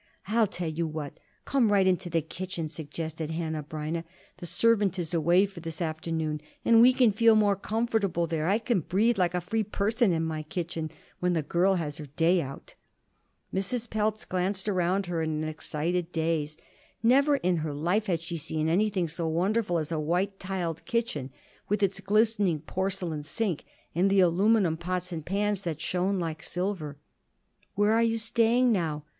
"I'll tell you what; come right into the kitchen," suggested Hanneh Breineh. "The servant is away for this afternoon, and we can feel more comfortable there. I can breathe like a free person in my kitchen when the girl has her day out." Mrs. Pelz glanced about her in an excited daze. Never in her life had she seen anything so wonderful as a white tiled kitchen, with its glistening porcelain sink and the aluminum pots and pans that shone like silver. "Where are you staying now?"